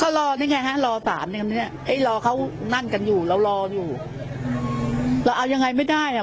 ก็รอนี่ไงฮะรอสารอย่างนี้ไอ้รอเขานั่นกันอยู่เรารออยู่เราเอายังไงไม่ได้อ่ะ